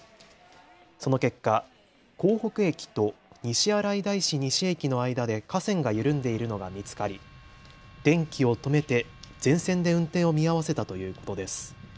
その結果、江北駅と西新井大師西駅の間で架線が緩んでいるのが見つかり電気を止めて全線で運転を見合わせたということです。